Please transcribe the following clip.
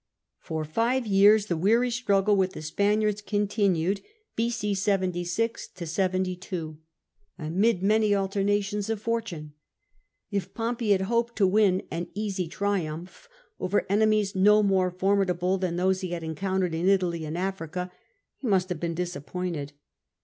For five years the weary struggle with the Spaniards continued [b.c. 76 72] amid many alternations of fortune. If Pompey had hoped to win an easy triumph over enemies no more formidable than those he had encountered in Italy and Africa, he must have been disappointed.